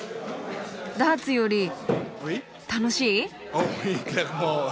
ダーツより楽しい？